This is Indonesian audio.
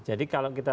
jadi kalau kita